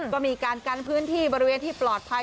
ก็มีการกันพื้นที่บริเวณที่ปลอดภัย